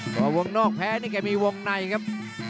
เพราะวงนอกแพ้นี่แค่มีวงในครับ